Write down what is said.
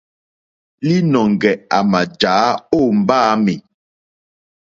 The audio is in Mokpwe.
Līnɔ̄ŋgɛ̄ à mà jàá ó mbáāmì.